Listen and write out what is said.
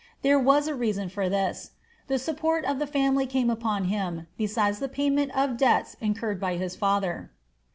There was a reason for this. The support of the family came upon him, besides the payment of debts incurred by his father.